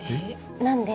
なんで？